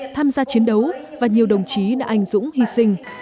tham gia chiến đấu và nhiều đồng chí đã anh dũng hy sinh